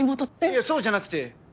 いやそうじゃなくて。